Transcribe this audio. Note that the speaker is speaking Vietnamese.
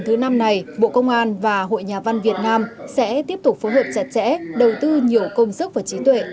thứ năm này bộ công an và hội nhà văn việt nam sẽ tiếp tục phối hợp chặt chẽ đầu tư nhiều công sức và trí tuệ